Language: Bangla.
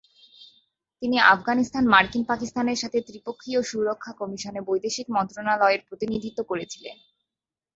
তিনি আফগানিস্তান-মার্কিন-পাকিস্তানের সাথে ত্রিপক্ষীয় সুরক্ষা কমিশনে বৈদেশিক মন্ত্রণালয়ের প্রতিনিধিত্ব করেছিলেন।